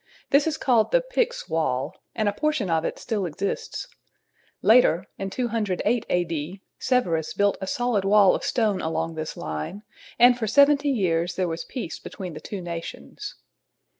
This is called the "Picts' Wall," and a portion of it still exists. Later, in 208 A.D., Severus built a solid wall of stone along this line, and for seventy years there was peace between the two nations.